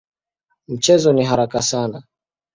Mchezo ni haraka sana.